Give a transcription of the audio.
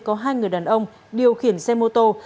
có hai người đàn ông điều khiển xe mô tô